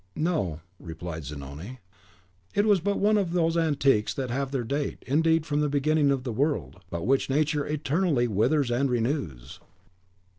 "No," replied Zanoni; "it was but one of those antiques that have their date, indeed, from the beginning of the world, but which Nature eternally withers and renews."